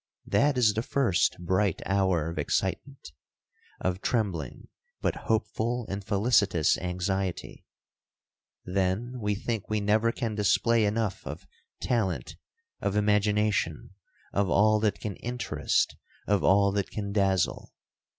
That is the first bright hour of excitement, of trembling, but hopeful and felicitous anxiety. Then we think we never can display enough of talent, of imagination, of all that can interest, of all that can dazzle.